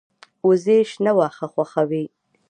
وزې شنه واښه خوښوي